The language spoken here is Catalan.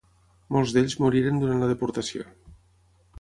Molts d'ells moriren durant la deportació.